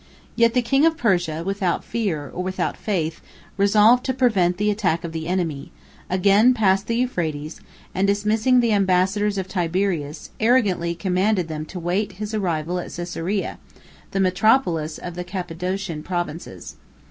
Yet the king of Persia, without fear, or without faith, resolved to prevent the attack of the enemy; again passed the Euphrates, and dismissing the ambassadors of Tiberius, arrogantly commanded them to await his arrival at Caesarea, the metropolis of the Cappadocian provinces.